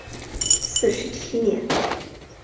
四十七年。